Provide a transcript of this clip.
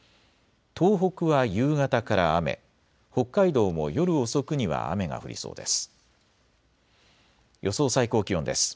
東北は夕方から雨、北海道も夜遅くには雨が降りそうです。